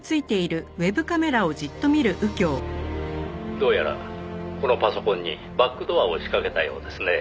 「どうやらこのパソコンにバックドアを仕掛けたようですね」